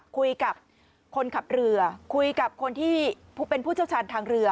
คุยกับคนขับเรือคุยกับคนที่เป็นผู้เชี่ยวชาญทางเรือ